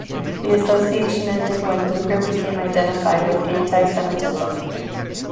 The association ended when Lueger became identified with anti-semitism.